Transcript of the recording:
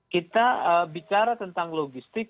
kita bicara tentang logistik